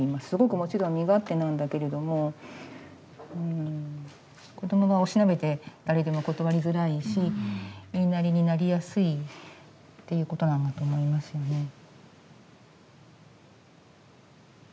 すごくもちろん身勝手なんだけれども子どもがおしなべて誰でも断りづらいし言いなりになりやすいっていうことなんだと思いますよね。